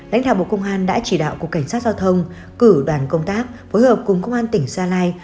lãnh đạo bộ công an đã chỉ đạo cục cảnh sát giao thông cử đoàn công tác phối hợp cùng công an tỉnh gia lai